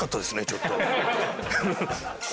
ちょっと。